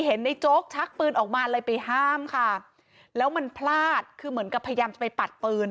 เห็นในโจ๊กชักปืนออกมาเลยไปห้ามค่ะแล้วมันพลาดคือเหมือนกับพยายามจะไปปัดปืน